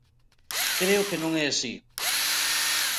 Creo que non é así.